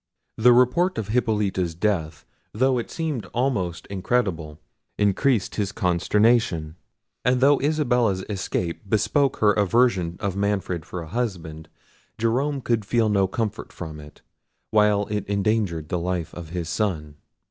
The report of Hippolita's death, though it seemed almost incredible, increased his consternation; and though Isabella's escape bespoke her aversion of Manfred for a husband, Jerome could feel no comfort from it, while it endangered the life of his son.